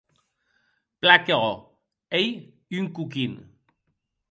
Plan que òc, ei un coquin.